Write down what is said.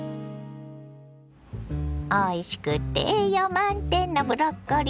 おいしくて栄養満点のブロッコリー！